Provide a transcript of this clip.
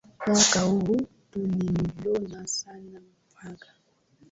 Mwaka huu tulivuna sana mpunga